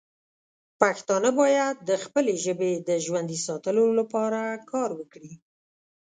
پښتانه باید د خپلې ژبې د ژوندی ساتلو لپاره کار وکړي.